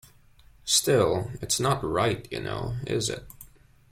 Still, it's not right, you know; is it?